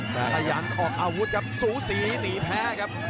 พยายามออกอาวุธครับสูศรีหนีแพ้ครับ